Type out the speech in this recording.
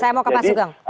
saya mau ke pasukan